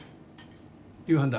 夕飯だ。